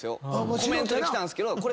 コメントで来たんですけどこれ。